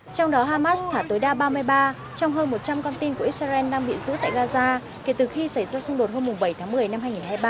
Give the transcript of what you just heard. trong đó hamas thả tối đa ba mươi ba trong hơn một trăm linh con tin của israel đang bị giữ tại gaza kể từ khi xảy ra xung đột hôm bảy tháng một mươi năm hai nghìn hai mươi ba